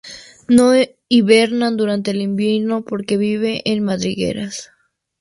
No hibernan durante el invierno, porque vive en madrigueras.